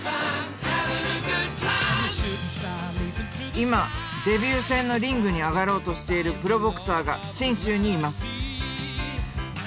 今デビュー戦のリングに上がろうとしているプロボクサーが信州にいます。